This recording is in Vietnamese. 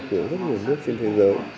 của rất nhiều nước trên thế giới